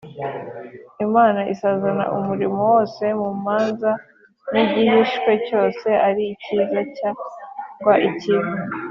“imana izazana umurimo wose mu manza, n’igihishwe cyose ari icyiza cyangwa ikibi